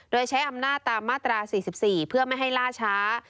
โดยใช้อำนาจตามมาตรา๔๔เพื่อไม่ให้ล่าช้า